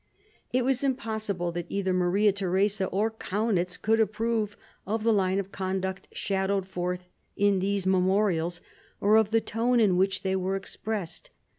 It was impossible that either Maria Theresa or Kaunitz could approve of the line of conduct shadowed forth in these memorials, or of the tone in which they were expressed.